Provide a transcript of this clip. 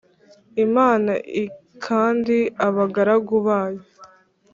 Imana iknda abagaragu bayo